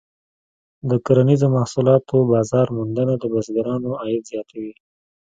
د کرنیزو محصولاتو بازار موندنه د بزګرانو عاید زیاتوي.